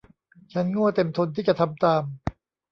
ฉันโง่เต็มทนที่จะทำตาม